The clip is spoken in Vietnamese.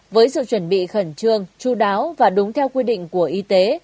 với sự chuẩn bị khẩn trương chú đáo và đúng theo quy định của y tế